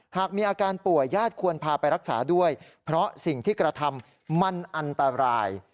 หากมีอาการป่วยญาติควรพาไปรักษาด้วยเพราะสิ่งที่กระทำมันอันตราย